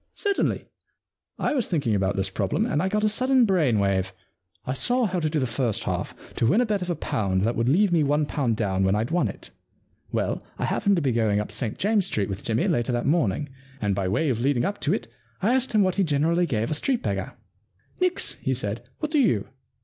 * Certainly. I was thinking about this problem and I got a sudden brain wave. I saw how to do the first half — to win a bet of a pound that would leave me one pound down when I'd won it. Well, I happened to be going up St James's Street with Jimmy 71 The Problem Club later that morning, and by way of leading up to it I asked him what he generally gave to a street beggar. Nix," he said. " What do you